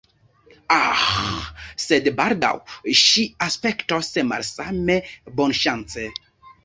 Aĥ, sed baldaŭ ŝi aspektos malsame, bonŝance!